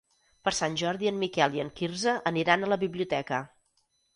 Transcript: Per Sant Jordi en Miquel i en Quirze aniran a la biblioteca.